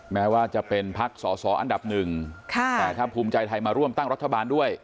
แม้ว่าจะเป็นพักสอสออันดับหนึ่งแต่ถ้าภูมิใจไทยมาร่วมตั้งรัฐบาลด้วย